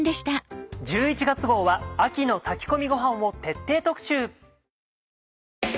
１１月号は「秋の炊き込みごはん」を徹底特集。